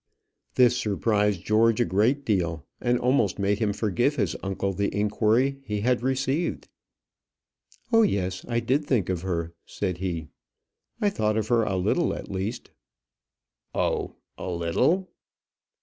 This surprised George a great deal, and almost made him forgive his uncle the inquiry he had received. "Oh, yes, I did think of her," said he. "I thought of her a little at least." "Oh, a little!"